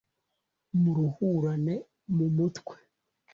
muruhurane mu mutwe